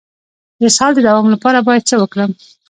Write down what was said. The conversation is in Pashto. د اسهال د دوام لپاره باید څه وکړم؟